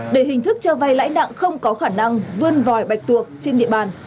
để hình thức cho vay lãi nặng không có khả năng vươn vòi bạch tuộc trên địa bàn